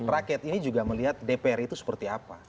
rakyat ini juga melihat dpr itu seperti apa